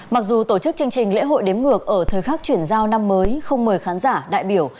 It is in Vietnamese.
mặc dù tổ chức chương trình lễ hội đếm ngược ở thời khắc chuyển giao năm mới không mời khán giả đại biểu